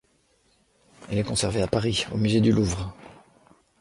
Elle est conservée à Paris au musée du Louvre.